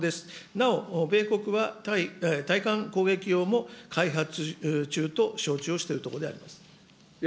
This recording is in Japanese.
なお、米国は対艦攻撃用も開発中と承知をしているところであります。